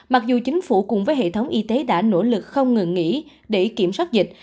mặc dù chính phủ cùng với hệ thống y tế đã nỗ lực không ngừng nghỉ để kiểm soát dịch